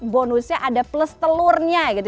bonusnya ada plus telurnya gitu